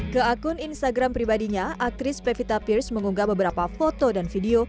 ke akun instagram pribadinya aktris pevita pierce mengunggah beberapa foto dan video